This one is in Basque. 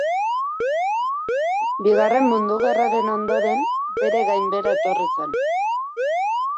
Bigarren Mundu Gerraren ondoren bere gainbehera etorri zen.